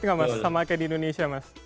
nggak mas sama kayak di indonesia mas